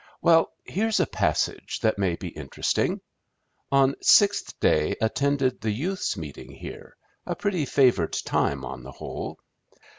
"Well! here's a passage that may be interesting: 'On sixth day attended the youths' meeting here, a pretty favored time on the whole.